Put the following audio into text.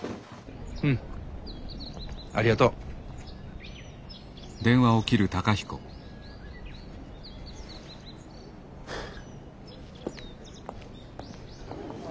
うんありがとう。はあ。